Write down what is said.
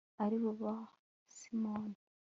ari bo ba simoni